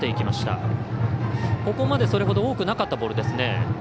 ここまで、それほど多くなかったボールですね。